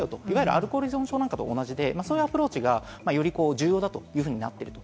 アルコール依存症なんかと同じで、そういうアプローチがより重要だというふうになっています。